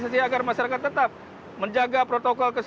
terus jokowi susi